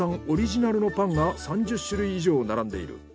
オリジナルのパンが３０種類以上並んでいる。